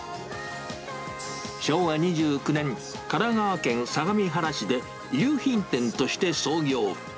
昭和２９年、神奈川県相模原市で衣料品店として創業。